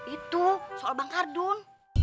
itu soal bang kardun